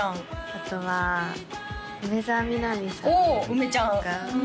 あとは梅澤美波さんがおお梅ちゃん